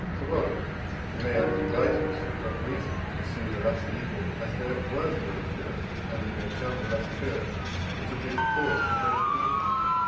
Corollary. We may, under the guidance of reason, pursue the lesser evil as though it were the greater good, and we may shun the lesser good, which would be the cause of the greater evil.